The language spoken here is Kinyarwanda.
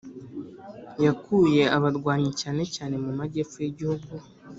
yakuye abarwanyi cyane cyane mu majyepfo y'igihugu,